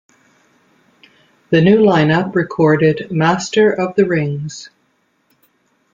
The new lineup recorded "Master of the Rings".